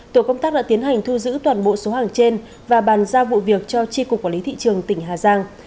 tổ công tác đã tiến hành thu giữ toàn bộ số hàng trên và bàn giao vụ việc cho tri cục quản lý thị trường tỉnh hà giang